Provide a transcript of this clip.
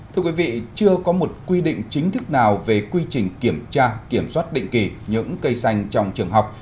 thưa quý vị chưa có một quy định chính thức nào về quy trình kiểm tra kiểm soát định kỳ những cây xanh trong trường học